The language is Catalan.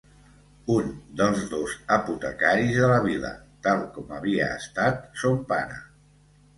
Un dels dos apotecaris de la vila, tal com havia estat son pare.